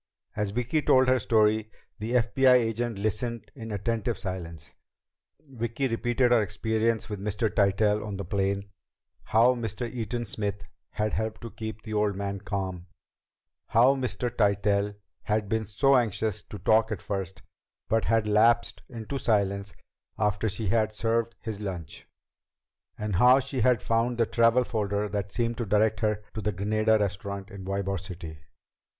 As Vicki told her story, the FBI agent listened in attentive silence. Vicki repeated her experience with Mr. Tytell on the plane; how Mr. Eaton Smith had helped to keep the old man calm; how Mr. Tytell had been so anxious to talk at first, but had lapsed into silence after she had served his lunch; and how she had found the travel folder that seemed to direct her to the Granada Restaurant in Ybor City.